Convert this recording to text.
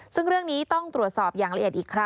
ซึ่งเรื่องนี้ต้องตรวจสอบอย่างละเอียดอีกครั้ง